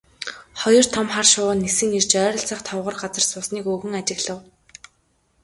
Хоёр том хар шувуу нисэн ирж ойролцоох товгор газарт суусныг өвгөн ажиглав.